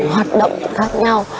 hoạt động khác nhau